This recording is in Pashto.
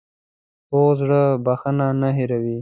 پوخ زړه بښنه نه هېروي